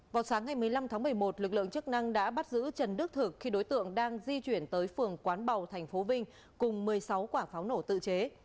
vào sáng ngày một mươi năm tháng một mươi một lực lượng chức năng đã bắt giữ trần đức thực khi đối tượng đang di chuyển tới phường quán bào tp vinh cùng một mươi sáu quả pháo nổ tự chế